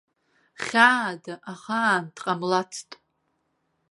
Хьаада ахаан дҟамлацт.